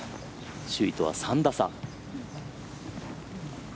首位とは３打差。